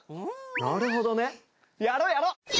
なるほどねやろうやろう。